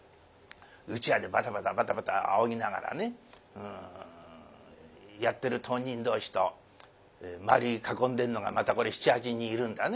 うちわでバタバタバタバタあおぎながらねやってる当人同士と周りに囲んでるのがまたこれ７８人いるんだね。